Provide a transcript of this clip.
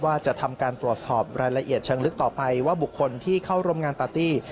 ว่าจะทำการตรวจสอบรายละเอียดเชิงลึกต่อไปว่าบุคคลที่เข้าร่วมงานปาร์ตี้